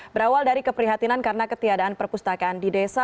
berawal dari keprihatinan karena ketiadaan perpustakaan di desa